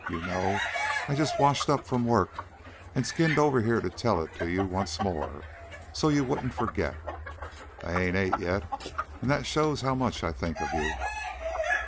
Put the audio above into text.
You know, I just washed up from work an' skinned over here to tell it to you once more, so you wouldn't forget. I ain't ate yet, an' that shows how much I think of you."